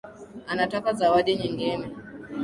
Anataka zawadi nyingine